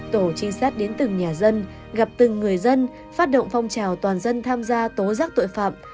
tổ trinh sát đến từng nhà dân gặp từng người dân phát động phong trào toàn dân tham gia tố giác tội phạm